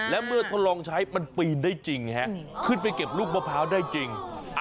และเมื่อทดลองใช้มันปีนได้จริงขึ้นไปเก็บลูกมะพร้าวได้จริง